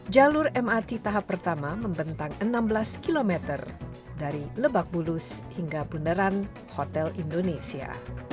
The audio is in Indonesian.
jalur mrt tahap pertama membentang enam belas kilometer dari lebakbulus hingga bundaran hotel indonesia